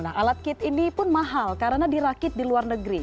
nah alat kit ini pun mahal karena dirakit di luar negeri